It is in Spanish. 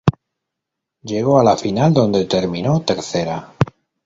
Llegó a la final, donde terminó tercera.